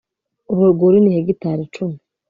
urwo rwuri ni hegitari icumi